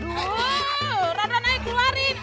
aduh ran ran aja keluarin